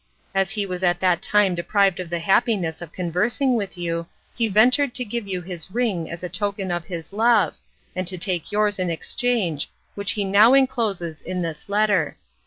As he was at that time deprived of the happiness of conversing with you, he ventured to give you his ring as a token of his love, and to take yours in exchange, which he now encloses in this letter.